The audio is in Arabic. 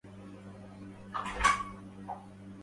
لا يضع مني لوني عندكم